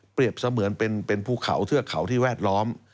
เสมือนเป็นภูเขาเทือกเขาที่แวดล้อม